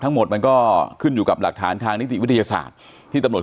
มันก็ขึ้นอยู่กับหลักฐานทางนิติวิทยาศาสตร์ที่ตำรวจ